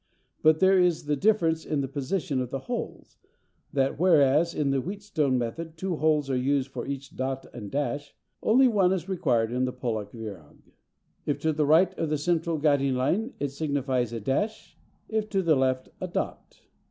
But there is this difference in the position of the holes, that whereas in the Wheatstone method two holes are used for each dot and dash, only one is required in the Pollak Virag. If to the right of the central guiding line it signifies a "dash," if to the left, a "dot."